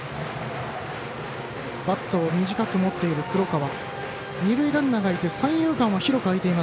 バット短く持っている黒川。